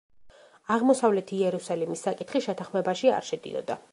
აღმოსავლეთი იერუსალიმის საკითხი შეთანხმებაში არ შედიოდა.